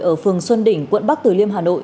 ở phường xuân đỉnh quận bắc tử liêm hà nội